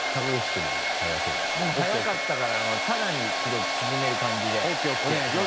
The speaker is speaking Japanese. でも速かったからさらに記録縮める感じでお願いします。